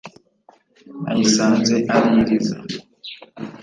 nayisanze ari iriza